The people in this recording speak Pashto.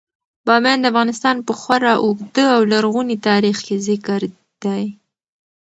بامیان د افغانستان په خورا اوږده او لرغوني تاریخ کې ذکر دی.